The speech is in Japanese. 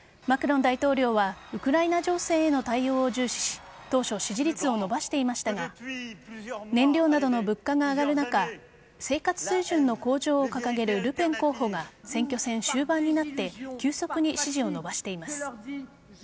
マクロン大統領はウクライナ情勢への対応を重視し当初支持率を伸ばしていましたが燃料などの物価が上がる中生活水準の高騰を掲げるルペン候補が選挙戦終盤になって急速に支持を伸ばしています。